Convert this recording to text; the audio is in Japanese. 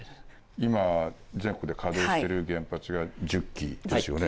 今全国で稼働してる原発が１０基ですよね。